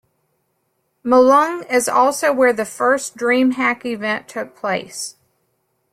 Malung is also where the first DreamHack event took place.